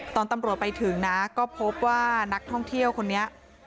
ตอนตำรวจไปถึงนะก็พบว่านักท่องเที่ยวคนนี้